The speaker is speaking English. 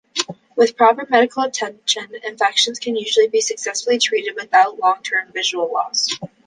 With proper medical attention, infections can usually be successfully treated without long-term visual loss.